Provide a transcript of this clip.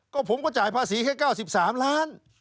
ก็ผมก็จ่ายภาษีแค่๙๓ล้าน